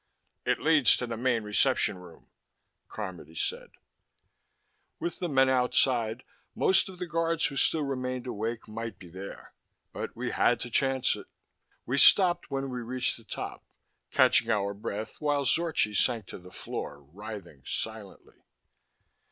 "It leads to the main reception room," Carmody said. With the men outside, most of the guards who still remained awake might be there. But we had to chance it. We stopped when we reached the top, catching our breath while Zorchi sank to the floor, writhing silently.